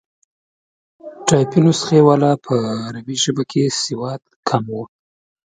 ټایپي نسخې والا په عربي ژبه کې سواد کم وو.